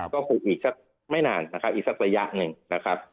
ก็คงอีกสักไม่นานนะครับอีกสักระยะหนึ่งนะครับ